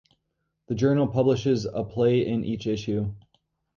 The journal publishes a play in each issue.